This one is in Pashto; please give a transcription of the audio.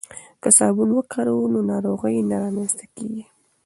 که صابون وکاروو نو ناروغۍ نه رامنځته کیږي.